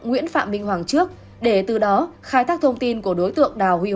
nguyễn phạm minh hoàng trước để từ đó khai thác thông tin của đối tượng đào huy hoàng